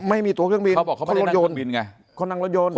ไม่มีตัวเครื่องบินเขาบอกเขาไม่ได้นั่งเครื่องบินไงเขานั่งรถยนต์